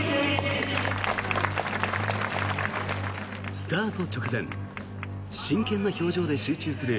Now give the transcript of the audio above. スタート直前、真剣な表情で集中する